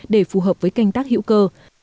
để phù hợp với canh tác hiệu cơ